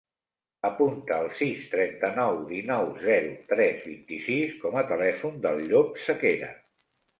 Apunta el sis, trenta-nou, dinou, zero, tres, vint-i-sis com a telèfon del Llop Sequera.